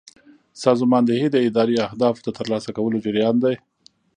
سازماندهي د اداري اهدافو د ترلاسه کولو جریان دی.